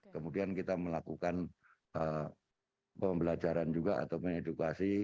kemudian kita melakukan pembelajaran juga atau mengedukasi